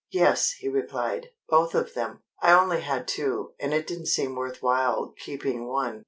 "Yes," he replied, "both of them. I only had two, and it didn't seem worth while keeping one.